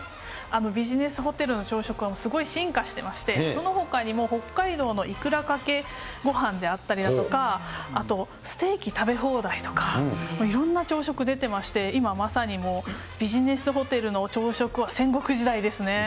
ビジネスホテルの朝食はすごい進化してまして、そのほかにも北海道のいくらかけごはんであったりだとか、あとステーキ食べ放題とか、いろんな朝食出てまして、今、まさにビジネスホテルの朝食は戦国時代ですね。